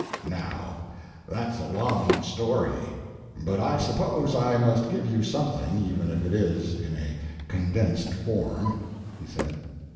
"Now, that's a long story, but I suppose I must give you something, even if it is in a condensed form," he said.